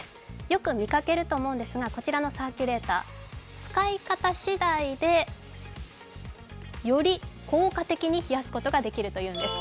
よく見掛けると思うんですがこちらのサーキュレーター使い方しだいで、より効果的に冷やすことができるというんです。